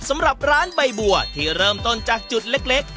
สำหรับร้านใบบัวที่เริ่มต้นจากจุดเล็ก